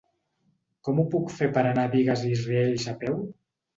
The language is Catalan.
Com ho puc fer per anar a Bigues i Riells a peu?